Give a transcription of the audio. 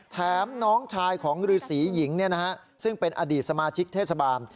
น้องชายของฤษีหญิงซึ่งเป็นอดีตสมาชิกเทศบาล